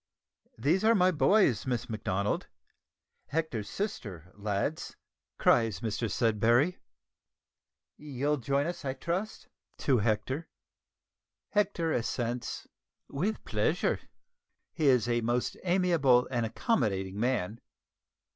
"These are my boys, Miss Macdonald Hector's sister, lads," cries Mr Sudberry. "You'll join us I trust?" (to Hector.) Hector assents "with pleasure." He is a most amiable and accommodating man.